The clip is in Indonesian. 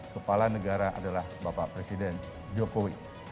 kepala negara adalah bapak presiden jokowi